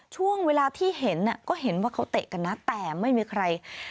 ช่วงเวลาที่เห็นก็เห็นว่าเขาเตะกันนะแต่ไม่มีใคร